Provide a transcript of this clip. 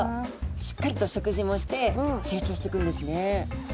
しっかりと食事もして成長していくんですね。